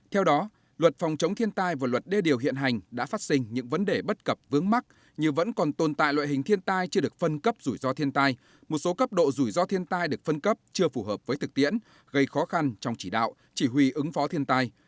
theo đó luật phòng chống thiên tai và luật đê điều hiện hành đã phát sinh những vấn đề bất cập vướng mắc như vẫn còn tồn tại loại hình thiên tai chưa được phân cấp rủi ro thiên tai một số cấp độ rủi ro thiên tai được phân cấp chưa phù hợp với thực tiễn gây khó khăn trong chỉ đạo chỉ huy ứng phó thiên tai